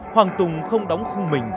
hoàng tùng không đóng khung mình